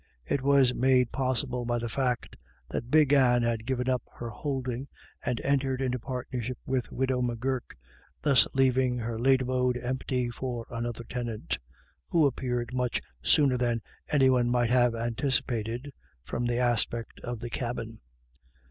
It was made possible by the fact that Big Anne had given up her holding and entered into partnership with the 285 286 IRISH IDYLLS. widow M'Gurk, thus leaving her late abode empty for another tenant, who appeared much sooner than any one might have anticipated from the aspect of the cabin.